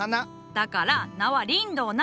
だから名はリンドウな。